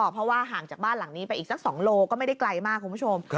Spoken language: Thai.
เพราะว่าห่างจากบ้านหลังนี้ไปอีกสัก๒โลก็ไม่ได้ไกลมากคุณผู้ชม